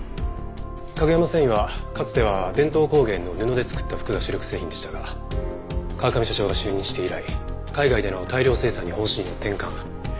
カグヤマ繊維はかつては伝統工芸の布で作った服が主力製品でしたが川上社長が就任して以来海外での大量生産に方針を転換。